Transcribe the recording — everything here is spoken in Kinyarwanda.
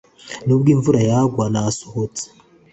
nubwo imvura yagwaga, nasohotse